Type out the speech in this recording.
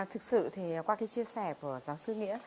thực sự thì qua cái chia sẻ của giáo sư nghĩa